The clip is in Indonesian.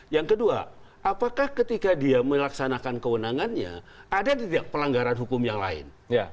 yang kedua apakah ketika dia melaksanakan kewenangannya ada tidak pelanggaran hukum yang lain